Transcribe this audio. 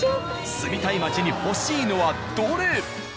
住みたい街に欲しいのはどれ？